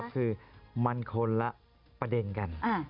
คือมันคนละประเด็นกัน